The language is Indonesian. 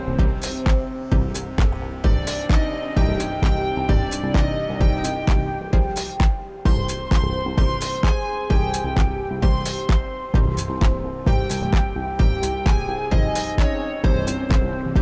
bubun di terminal